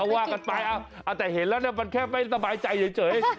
ว่ากันไปแต่เห็นแล้วมันแค่ไม่สบายใจเฉย